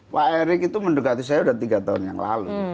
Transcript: pak erick itu mendekati saya sudah tiga tahun yang lalu